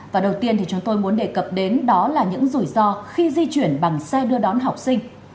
và đầu tiên thì chúng tôi muốn đề cập đến đó là những rủi ro khi di chuyển bằng xe đưa đón học sinh